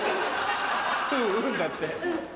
「うんうん」だって。